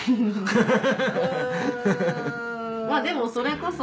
まぁでもそれこそ。